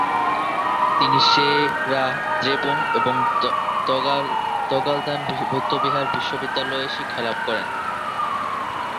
তিনি সে-রা, দ্রেপুং এবং দ্গা'-ল্দান বৌদ্ধবিহার বিশ্ববিদ্যালয়ে শিক্ষালাভ করেন।